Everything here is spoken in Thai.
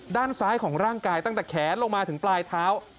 ด้านซ้ายของร่างกายตั้งแต่แขนลงมาถึงปลายเท้า